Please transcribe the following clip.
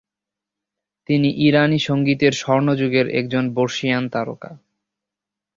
তিনি ইরানি সঙ্গীতের স্বর্ণযুগের একজন বর্ষীয়ান তারকা।